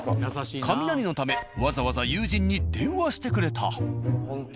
カミナリのためわざわざ友人に電話してくれた。